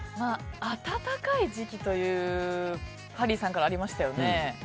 暖かい時期とハリーさんからありましたよね。